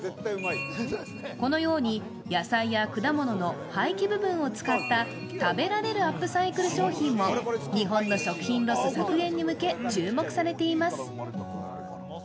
このように、野菜や果物の廃棄部分を使った食べられるアップサイクル商品を日本の食品ロス対策に向け注目されています。